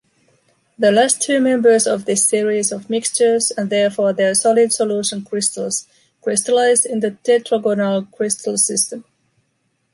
The last two members of this series of mixtures, and therefore their solid solution crystals, crystallize in the tetragonal crystal system.